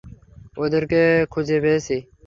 ওদেরকে খুঁজে পেয়েছি।